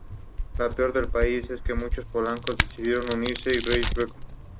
Tiene solera, raza.